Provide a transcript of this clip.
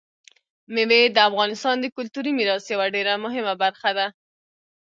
مېوې د افغانستان د کلتوري میراث یوه ډېره مهمه برخه ده.